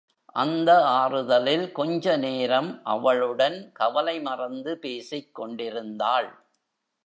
அந்த ஆறுதலில் கொஞ்சநேரம் அவளுடன் கவலை மறந்து பேசிக் கொண்டிருந்தாள்.